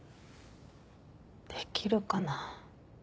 できるかな。